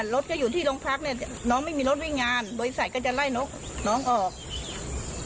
รถก็อยู่ที่โรงพักเนี่ยน้องไม่มีรถวิ่งงานบริษัทก็จะไล่นกน้องออก